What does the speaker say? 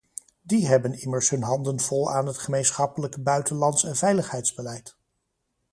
Die hebben immers hun handen vol aan het gemeenschappelijk buitenlands en veiligheidsbeleid.